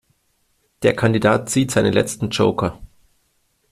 Der Kandidat zieht seinen letzten Joker.